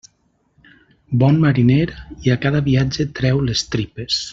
Bon mariner, i a cada viatge treu les tripes.